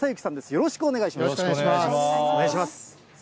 よろしくお願いします。